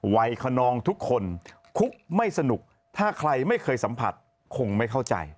คนนองทุกคนคุกไม่สนุกถ้าใครไม่เคยสัมผัสคงไม่เข้าใจ